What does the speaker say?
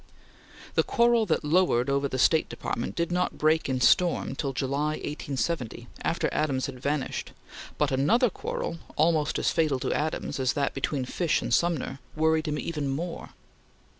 The quarrel that lowered over the State Department did not break in storm till July, 1870, after Adams had vanished, but another quarrel, almost as fatal to Adams as that between Fish and Sumner, worried him even more.